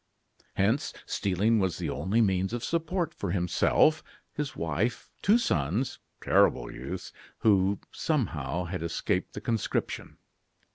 Hence, stealing was the only means of support for himself, his wife, two sons terrible youths, who, somehow, had escaped the conscription.